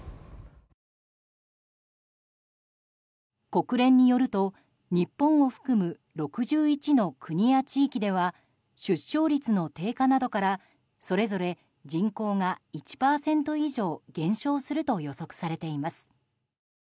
国連によると日本を含む６１の国や地域では出生率の低下などからそれぞれ人口が１％以上減少すると予測されています。